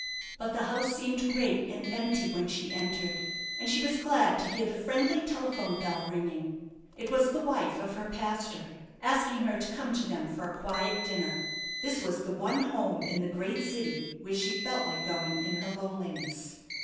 But the house seemed great and empty when she entered, and she was glad to hear the friendly telephone bell ringing. It was the wife of her pastor, asking her to come to them for a quiet dinner. This was the one home in the great city where she felt like going in her loneliness.